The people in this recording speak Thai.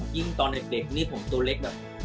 ตอนเด็กนี่ผมตัวเล็กแบบ